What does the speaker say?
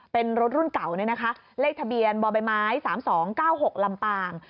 เป็นรถรุ่นเก่าเลขทะเบียนบ่อใบไม้๓๒๙๖ลำปาง